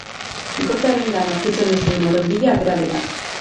Bikotearengan aurkitzen ez duen horren bila atera delako.